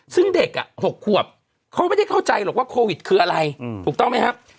ซึ่งเด็ก๖ขวบเขาไม่ได้เข้าใจหรอกว่าโควิดคืออะไรถูกต้องไหมครับ